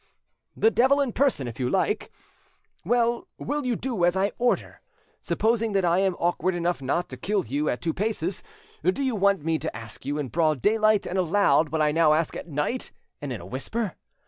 "The devil in person, if you like. Well, will you do as I order? Supposing that I am awkward enough not to kill you at two paces, do you want me to ask you in broad daylight and aloud what I now ask at night and in a whisper?